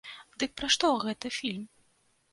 Дык пра што гэты фільм?